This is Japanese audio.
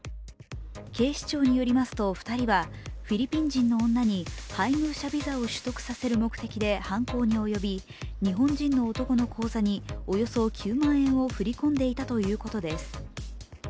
警視庁によりますと、２人はフィリピン人の女に配偶者ビザを取得させる目的で犯行に及び日本人の男の口座におよそ９万円を振り込んでいたということです。